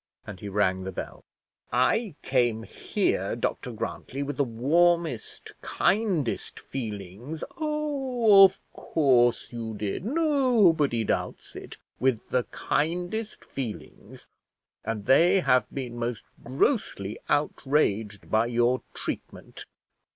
And he rang the bell. "I came here, Dr Grantly, with the warmest, kindest feelings " "Oh, of course you did; nobody doubts it." "With the kindest feelings; and they have been most grossly outraged by your treatment."